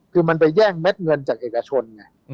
คือมันไปแย่งเม็ดเงินจากเอกชนไง